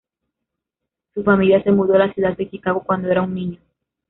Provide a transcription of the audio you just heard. Su familia se mudó a la ciudad de Chicago cuando era un niño.